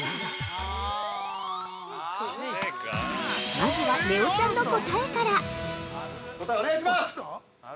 まずは、ねおちゃんの答えから。